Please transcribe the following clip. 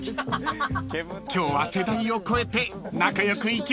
［今日は世代を超えて仲良くいきましょう］